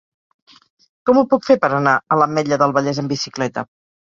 Com ho puc fer per anar a l'Ametlla del Vallès amb bicicleta?